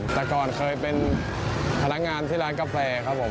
แต่ก่อนเคยเป็นพนักงานที่ร้านกาแฟครับผม